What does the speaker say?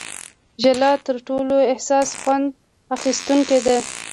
ژله تر ټولو حساس خوند اخیستونکې ده.